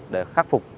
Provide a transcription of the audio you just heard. để khắc phục